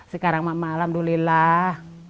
sekarang mak alhamdulillah